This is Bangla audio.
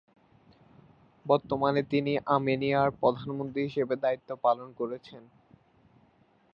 বর্তমানে তিনি আর্মেনিয়ার প্রধানমন্ত্রী হিসেবে দায়িত্ব পালন করছেন।